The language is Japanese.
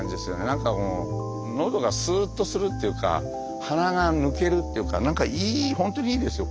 何かもう喉がスーッとするっていうか鼻が抜けるっていうか何かいい本当にいいんですよ